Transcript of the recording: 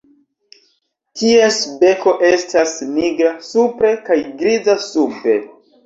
Ties beko estas nigra supre kaj griza sube.